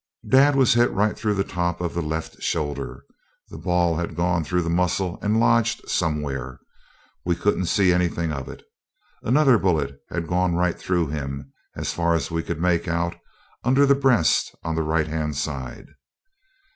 Dad was hit right through the top of the left shoulder. The ball had gone through the muscle and lodged somewhere. We couldn't see anything of it. Another bullet had gone right through him, as far as we could make out, under the breast on the right hand side.